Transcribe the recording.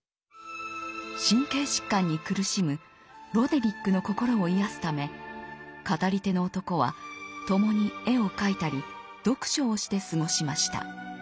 神経疾患に苦しむロデリックの心を癒やすため語り手の男は共に絵を描いたり読書をして過ごしました。